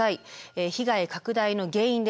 被害拡大の原因です。